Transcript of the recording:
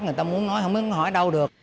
người ta muốn nói không hỏi đâu được